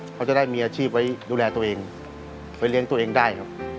เขาจะได้มีอาชีพไว้ดูแลตัวเองไว้เลี้ยงตัวเองได้ครับ